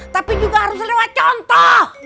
tapi juga harus lewat contoh